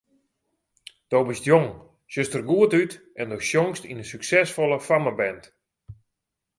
Do bist jong, sjochst der goed út en do sjongst yn in suksesfolle fammeband.